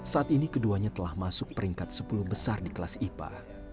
saat ini keduanya telah masuk peringkat sepuluh besar di kelas ipa